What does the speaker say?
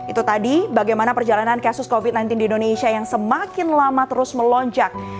itu tadi bagaimana perjalanan kasus covid sembilan belas di indonesia yang semakin lama terus melonjak